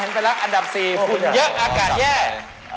ไปแล้วอันดับ๔ฝุ่นเยอะอากาศแย่